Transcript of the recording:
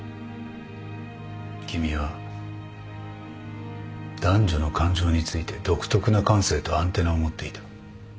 君は男女の感情について独特な感性とアンテナを持っていた。